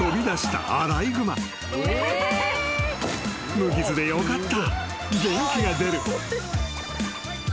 ［無傷でよかった］